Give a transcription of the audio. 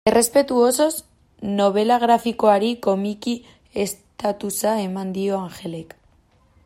Errespetu osoz, nobela grafikoari komiki estatusa eman dio Angelek.